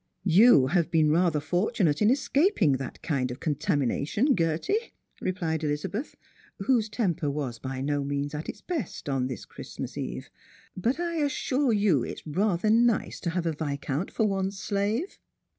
"You have been rather fortunate in escaping that kind of contamination, Gert)%" replied Elizabeth, whose temper was by no means at its best on this particular Christmas eve ;" but I assure you it is rather nice to have a viscount for one's slave."